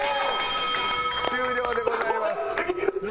終了でございます。